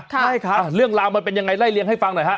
ใช่ครับเรื่องราวมันเป็นยังไงไล่เลี้ยให้ฟังหน่อยฮะ